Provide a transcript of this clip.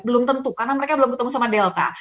belum tentu karena mereka belum ketemu sama delta